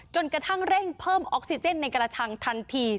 จนกระทั่งเร่งเพิ่มออกซิเจนในกระชังทันที